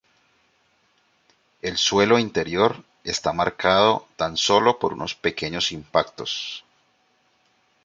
El suelo interior está marcado tan solo por unos pequeños impactos.